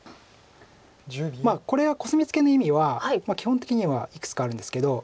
まあこれはコスミツケの意味は基本的にはいくつかあるんですけど。